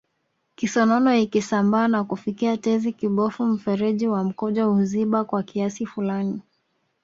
Kisonono ikisambaa na kufikia tezi kibofu mfereji wa mkojo huziba kwa kiasi fulani